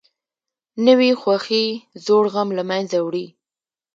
نوې خوښي زوړ غم له منځه وړي